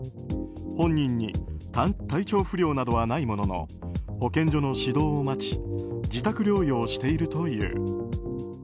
本人に体調不良などはないものの保健所の指導を待ち自宅療養しているという。